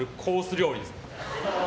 料理ですね。